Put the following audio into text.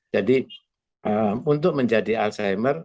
jadi untuk menjadi alzheimer